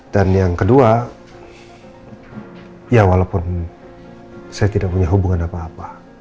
dan yang kedua ya walaupun saya tidak punya hubungan apa apa